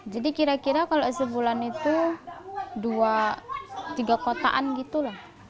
jadi kira kira kalau sebulan itu dua tiga kotaan gitu lah